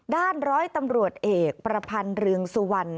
ด้านร้อยตำรวจเอกประพันธ์เรืองสุวรรณ